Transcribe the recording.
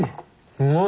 うまい！